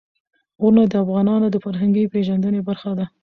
غرونه د افغانانو د فرهنګي پیژندنې برخه ده.